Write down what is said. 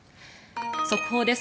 速報です。